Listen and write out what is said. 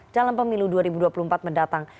dalam pemilu dua ribu dua puluh empat mendatang